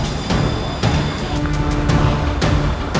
langkai dulu mayat